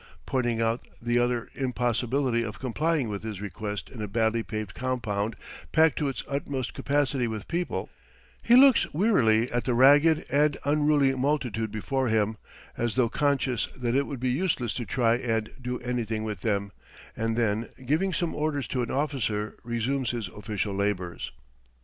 Pointing out the utter impossibility of complying with his request in a badly paved compound packed to its utmost capacity with people; he looks wearily at the ragged and unruly multitude before him, as though conscious that it would be useless to try and do anything with them, and then giving some order to an officer resumes his official labors.